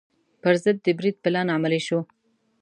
پر ضد د برید پلان عملي شو.